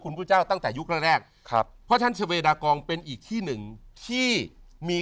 คุณพุทธเจ้าตั้งแต่ยุคแรกครับเพราะฉะนั้นเฉพาะดากองเป็นอีกที่หนึ่งที่มี